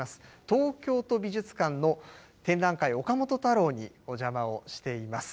東京都美術館の展覧会岡本太郎にお邪魔をしています。